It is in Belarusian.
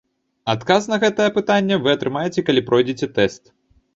Адказ на гэта пытанне вы атрымаеце, калі пройдзеце тэст.